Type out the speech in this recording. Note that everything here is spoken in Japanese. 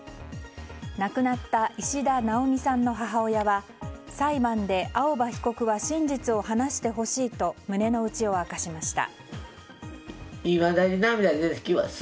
亡くなった石田奈央美さんの母親は裁判で青葉被告は真実を話してほしいと胸の内を明かしました。